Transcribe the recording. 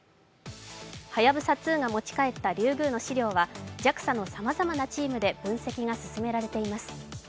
「はやぶさ２」が持ち帰ったリュウグウの試料はＪＡＸＡのさまざまなチームで分析が進められています。